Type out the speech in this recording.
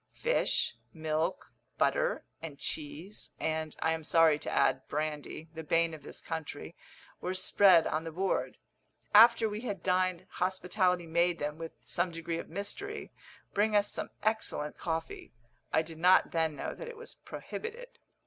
Fish, milk, butter, and cheese, and, I am sorry to add, brandy, the bane of this country, were spread on the board. After we had dined hospitality made them, with some degree of mystery, bring us some excellent coffee. I did not then know that it was prohibited.